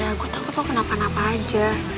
ya gue takut lo kenapa napa aja